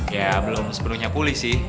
ya belum sepenuhnya pulih sih